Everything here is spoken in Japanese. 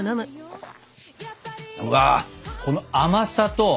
うわこの甘さと